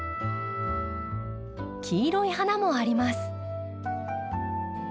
黄色い花もあります。